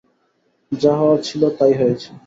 যা হওয়ার ছিল তাই হয়েছে।